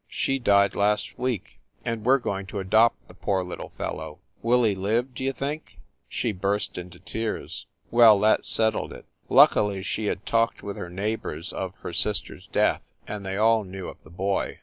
She died last week and we re going to adopt the poor little fellow. Will he live, d you think?" She burst into tears. Well, that settled it. Luckily she had talked with her neighbors of her sister s death, and they all knew of the boy.